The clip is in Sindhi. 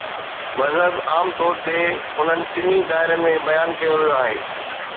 مذهب عام طور تي انهن ٽنهي دائرن ۾ بيان ڪيو ويو آهي.